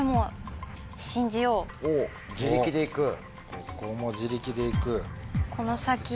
ここも自力でいく。